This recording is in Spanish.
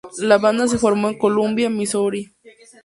La banda se formó en Columbia, Missouri.